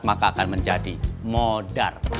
maka akan menjadi modar